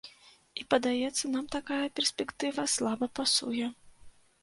І, падаецца, нам такая перспектыва слаба пасуе.